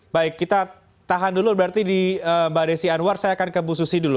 baik kita tahan dulu berarti di mbak desi anwar saya akan ke bu susi dulu